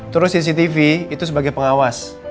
terus cctv itu sebagai pengawas